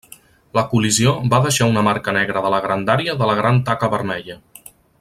La col·lisió va deixar una marca negra de la grandària de la Gran Taca Vermella.